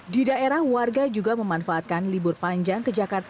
di daerah warga juga memanfaatkan libur panjang